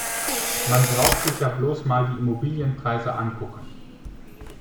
Man braucht sich ja bloß mal die Immobilienpreise angucken.